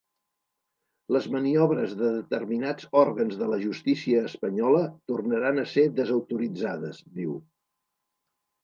Les maniobres de determinats òrgans de la justícia espanyola tornaran a ser desautoritzades, diu.